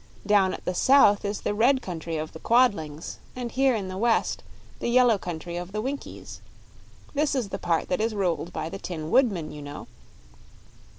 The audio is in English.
Down at the South is the red Country of the Quadlings, and here, in the West, the yellow Country of the Winkies. This is the part that is ruled by the Tin Woodman, you know."